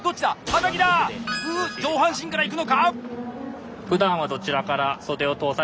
う上半身からいくのか！